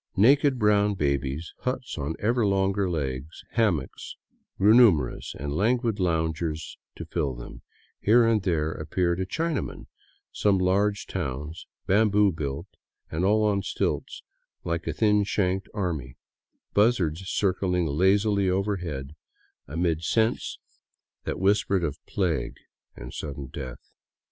Naked brown babies, huts on ever longer legs, hammocks, grew numerous, and languid loungers to fill them; here and there appeared a Chinaman; some large towns, bamboo built and all on stilts, like a thin shanked army ; buzzards circling lazily overhead amid scents that 179 VAGABONDING DOWN THE ANDES whispered of plague and sudden death.